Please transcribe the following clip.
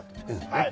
はい。